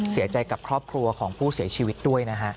เสียใจกับครอบครัวของผู้เสียชีวิตด้วยนะฮะ